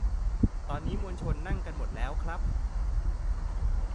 ตอนนี้มวลชนนั่งกันหมดแล้วครับ